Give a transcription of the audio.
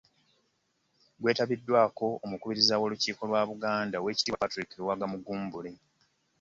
Gwetabiddwako Omukubiriza w'Olukiiko lwa Buganda Oweekitiibwa Patrick Luwagga Mugumbule